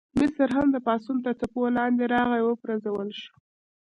مصر هم د پاڅون تر څپو لاندې راغی او وپرځول شو.